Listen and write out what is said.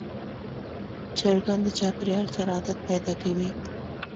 چرګان د چاپېریال سره عادت پیدا کوي.